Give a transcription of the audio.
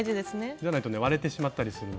じゃないとね割れてしまったりするので。